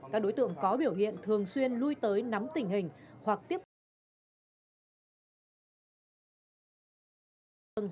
các đối tượng có biểu hiện thường xuyên lui tới nắm tình hình hoặc tiếp tục